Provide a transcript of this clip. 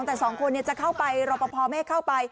แล้วแต่สองคนจะเข้าไปรอบพอไม่เข้าไป